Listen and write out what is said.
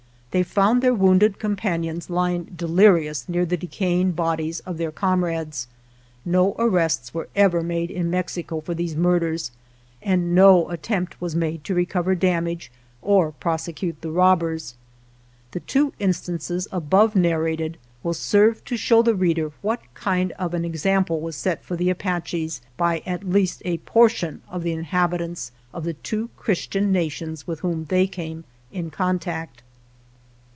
They found their wounded companions lying delirious near the decaying bodies of their comrades. No 89 GERONIMO arrests were ever made in Mexico for these murders, and no attempt was made to re cover damage or prosecute the robbers. The two instances above narrated will serve to show the reader what kind of an example was set for the Apaches by at least a portion of the inhabitants of the two Christian na tions with whom they came in contact.